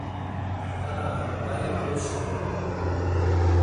لا انی ٹائیل کوئی سے شَوں۔